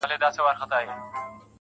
اې ه څنګه دي کتاب له مخه ليري کړم.